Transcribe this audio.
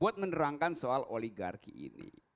buat menerangkan soal oligarki ini